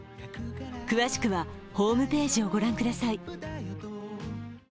詳しくはホームページをご覧ください。